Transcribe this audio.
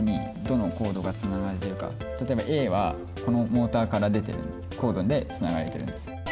例えばＡはこのモーターから出てるコードでつながれてるんです。